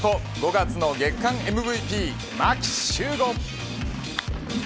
５月の月間ＭＶＰ牧秀悟。